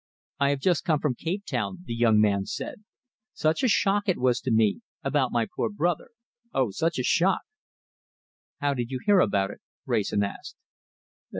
"I have just come from Cape Town," the young man said. "Such a shock it was to me about my poor brother! Oh! such a shock!" "How did you hear about it?" Wrayson asked.